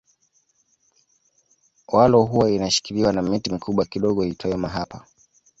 Walo huwa inashikiliwa na miti mikubwa kidogo iitwayo mahapa